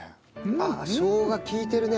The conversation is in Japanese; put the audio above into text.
ああしょうが利いてるね。